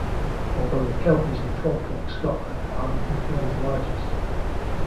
Although the Kelpies in Falkirk, Scotland are the confirmed largest.